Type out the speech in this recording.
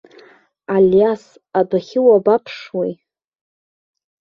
Алиас, адәахьы уабаԥшуеи!